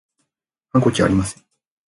反抗期はありません